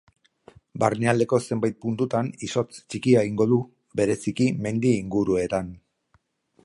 Barnealdeko zenbait puntutan izotz txikia egingo du, bereziki mendi inguruetan.